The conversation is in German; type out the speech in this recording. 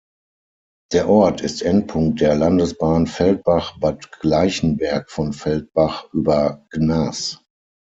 Der Ort ist Endpunkt der Landesbahn Feldbach–Bad Gleichenberg von Feldbach über Gnas.